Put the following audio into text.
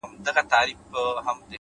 نیک اخلاق خاموشه درناوی زېږوي!